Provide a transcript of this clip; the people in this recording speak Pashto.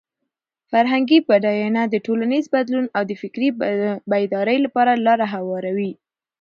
فرهنګي بډاینه د ټولنیز بدلون او د فکري بیدارۍ لپاره لاره هواروي.